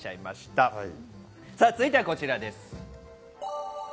続いてこちらです。